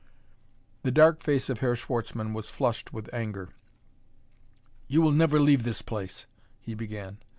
The dark face of Herr Schwartzmann was flushed with anger. "You will never leave this place " he began.